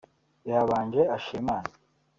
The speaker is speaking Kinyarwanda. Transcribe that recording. yabanje ashimira Imana